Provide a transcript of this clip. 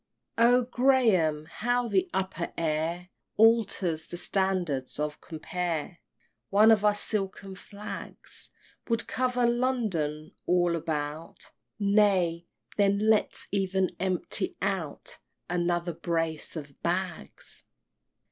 X. Oh, Graham! how the upper air Alters the standards of compare; One of our silken flags Would cover London all about Nay, then let's even empty out Another brace of bags!